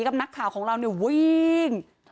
กับนักข่าวของเราเนี่ยวิ่ง